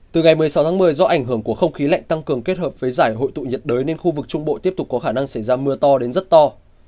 từ ngày một mươi sáu tháng một mươi do ảnh hưởng của không khí lạnh tăng cường kết hợp với giải hội tụ nhiệt đới nên khu vực trung bộ tiếp tục có khả năng xảy ra mưa to đến rất to